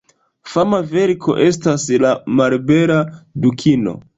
Fama verko estas "La malbela dukino".